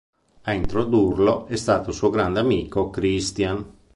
A introdurlo è stato il suo grande amico Christian.